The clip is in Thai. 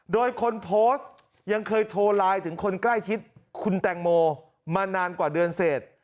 โดยคนโพสต์ยังเคยโทรไลน์ถึงคนใกล้ชิดคุณแตงโมมานานกว่าเดือนเสร็จ